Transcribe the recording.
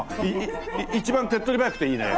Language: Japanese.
一番手っ取り早くていいね。